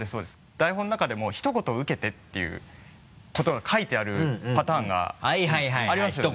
台本の中でも「ひと言受けて」っていうことが書いてあるパターンがありますよね。